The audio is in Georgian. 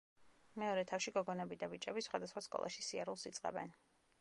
მეორე თავში გოგონები და ბიჭები სხვადასხვა სკოლაში სიარულს იწყებენ.